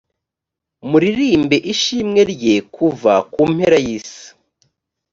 nimuririmbe ishimwe rye kuva ku mpera y’ isi